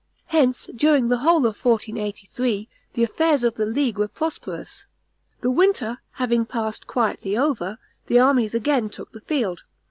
Hence, during the whole of 1483, the affairs of the League were prosperous. The winter having passed quietly over, the armies again took the field.